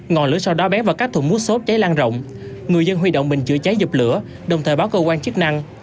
ngọn lửa sau đó béo vào các thùng mút xốp cháy lan rộng người dân huy động bình chữa cháy dập lửa đồng thời báo cơ quan chức năng